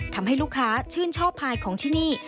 ทำให้ลูกค้าชื่นชอบพายของที่นี่